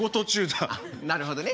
なるほどね。